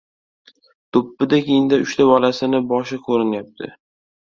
Do‘ppidek inda uchta bolasining boshi ko‘rinyapti.